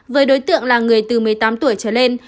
với đối tượng là người từ một mươi tám tuổi trở lên